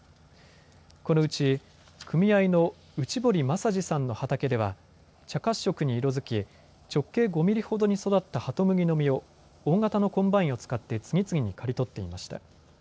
このうち組合の内堀雅司さんの畑では茶褐色に色づき直径５ミリほどに育ったハトムギの実を大型のコンバインを使って次々に刈り取っていました。